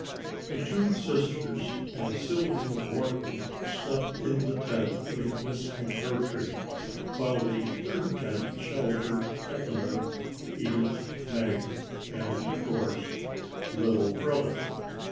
The two sisters and Sylvia Wharton slept in the tent with Miss McMurtry, while the third tent sheltered Eleanor, Edith, Meg and, of course, "little brother".